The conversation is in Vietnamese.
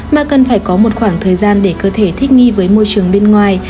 mà cần phải có một khoảng thời gian để cơ thể thích nghi với môi trường bên ngoài